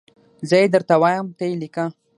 زه یي درته وایم ته یي لیکه